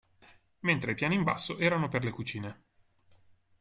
Mentre i piani in basso erano per le cucine.